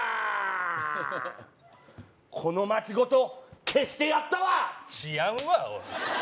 この町ごと消してやったわ治安はおい！